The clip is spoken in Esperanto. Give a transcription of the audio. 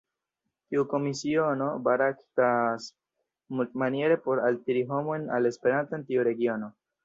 Tiu komisiono baraktas multmaniere por altiri homojn al Esperanto en tiu regiono.